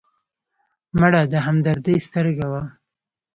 مړه د همدردۍ سترګه وه